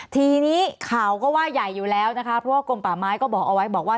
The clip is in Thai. ทีนี้ข่าวก็ว่าใหญ่อยู่แล้วนะคะเพราะว่ากลมป่าไม้ก็บอกเอาไว้บอกว่า